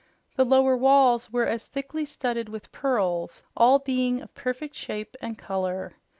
The lower walls were as thickly studded with pearls, all being of perfect shape and color.